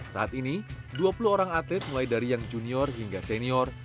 saat ini dua puluh orang atlet mulai dari yang junior hingga senior